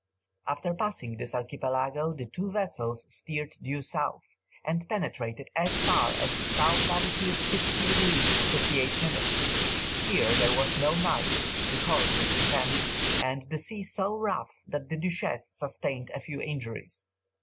After passing this archipelago the two vessels steered due south, and penetrated as far as south lat. 60 degrees 58 minutes. Here, there was no night, the cold was intense, and the sea so rough that the Duchess sustained a few injuries.